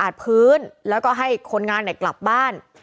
ดูสุดดูป่าวดูแม่